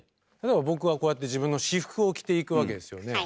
僕はこうやって自分の私服を着ていくわけですよね。